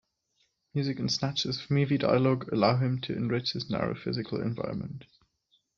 Music and snatches of movie dialogue allow him to enrich his narrow physical environment.